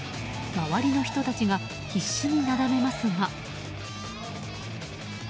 周りの人たちが必死になだめますが。